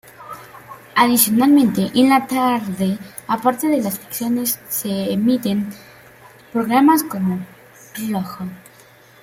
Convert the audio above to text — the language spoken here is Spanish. Adicionalmente, en la tarde, aparte de las ficciones se emiten programas como "Rojo".